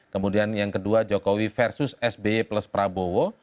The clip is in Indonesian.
kemudian yang kedua jokowi versus sby plus prabowo